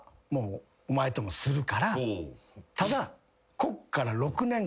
ただ。